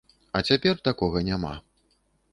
А цяпер такога няма.